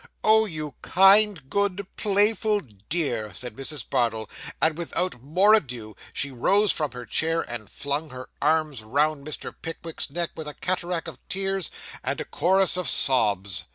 'Oh, you kind, good, playful dear,' said Mrs. Bardell; and without more ado, she rose from her chair, and flung her arms round Mr. Pickwick's neck, with a cataract of tears and a chorus of sobs.